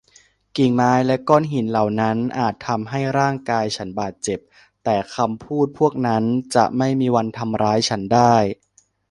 กิ่งไม้และก้อนหินเหล่านั้นอาจทำให้ร่างกายฉันบาดเจ็บ แต่คำพูดพวกนั้นจะไม่มีวันทำร้ายฉันได้